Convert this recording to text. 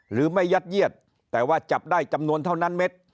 ยัดเยียดแต่ว่าจับได้จำนวนเท่านั้นเม็ด